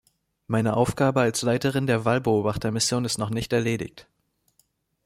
Meine Aufgabe als Leiterin der Wahlbeobachtermission ist noch nicht erledigt.